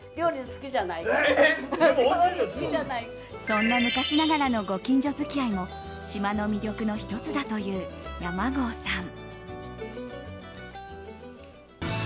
そんな昔ながらのご近所付き合いも島の魅力の１つだという山郷さん。